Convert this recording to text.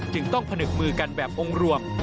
จึงต้องผนึกมือกันแบบองค์รวม